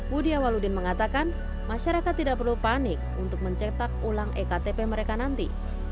budi awaludin mengatakan masyarakat tidak perlu panik untuk mencetak ulang ektp mereka nanti